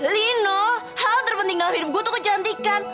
lino hal terpenting dalam hidup gue tuh kecantikan